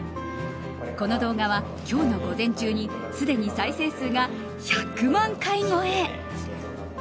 この動画は今日の午前中にすでに再生数が１００万回超え。